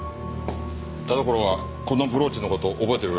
田所はこのブローチの事覚えてるらしいぞ。